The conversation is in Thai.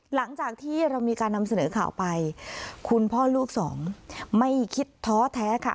หลังจากที่เรามีการนำเสนอข่าวไปคุณพ่อลูกสองไม่คิดท้อแท้ค่ะ